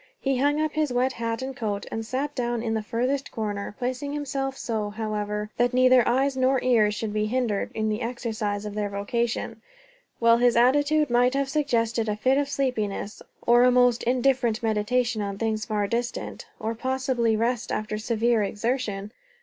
He hung up his wet hat and coat and sat down in the furthest corner; placing himself so, however, that neither eyes nor ears should be hindered in the exercise of their vocation, while his attitude might have suggested a fit of sleepiness, or a most indifferent meditation on things far distant, or possibly rest after severe exertion.